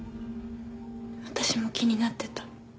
私も気になってた。